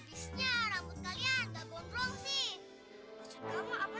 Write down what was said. beda maksudnya gondrong kok